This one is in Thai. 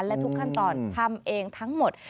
และทุกขั้นตอนทำเองทั้งหมด